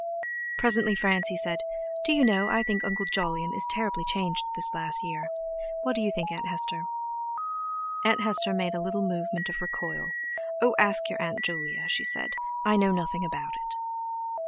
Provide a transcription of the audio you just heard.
Presently Francie said: "Do you know, I think Uncle Jolyon is terribly changed this last year. What do you think, Aunt Hester?" Aunt Hester made a little movement of recoil: "Oh, ask your Aunt Julia!" she said; "I know nothing about it."